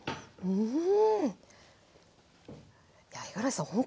うん。